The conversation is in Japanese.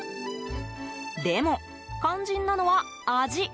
でも、肝心なのは味。